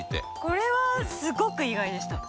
これはすごく意外でした。